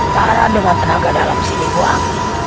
karena dengan tenaga dalamku di buang